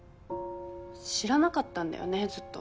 知らなかったんだよねずっと。